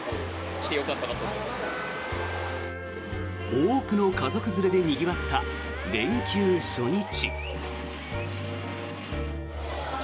多くの家族連れでにぎわった連休初日。